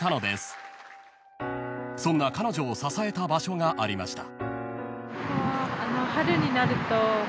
［そんな彼女を支えた場所がありました］